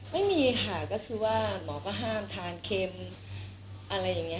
ไม่มีค่ะก็คือห้ามทานเค็มอะไรแบบนี้